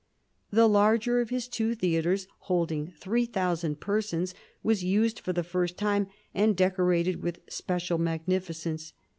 The larger of his two theatres, holding three thousand persons, was used for the first time and decorated with special magnificence.